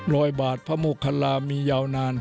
รอยบาทพระโมคลามียาวนาน